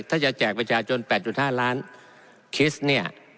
ถ้าจะแจกประชาชน๘๕ล้านคิสต์เนี่ย